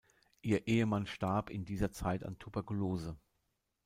Ihr Ehemann starb in dieser Zeit an Tuberkulose.